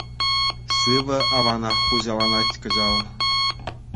Сивӗ аванах хуҫаланать кӑҫал.